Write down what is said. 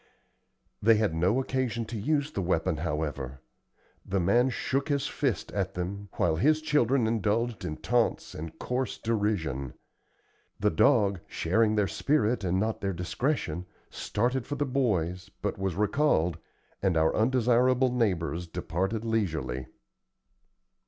They had no occasion to use the weapon, however. The man shook his fist at them, while his children indulged in taunts and coarse derision. The dog, sharing their spirit and not their discretion, started for the boys, but was recalled, and our undesirable neighbors departed leisurely.